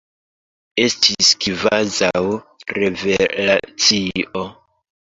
Estis kvazaŭ revelacio!